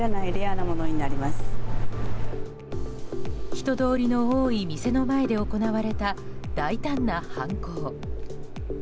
人通りの多い店の前で行われた大胆な犯行。